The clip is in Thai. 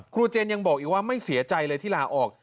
เจนยังบอกอีกว่าไม่เสียใจเลยที่ลาออก